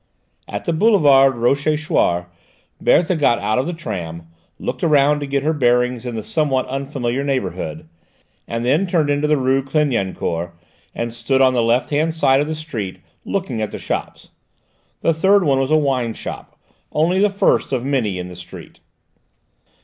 At the boulevard Rochechouart Berthe got out of the tram, looked around to get her bearings in the somewhat unfamiliar neighbourhood, and then turned into the rue Clignancourt and stood on the left hand side of the street, looking at the shops. The third one was a wine shop, only the first of many in the street.